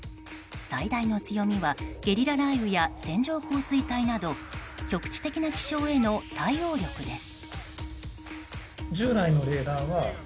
最大の強みはゲリラ雷雨や線状降水帯など局地的な気象への対応力です。